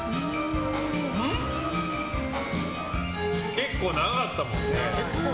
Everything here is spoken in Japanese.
結構長かったもんね。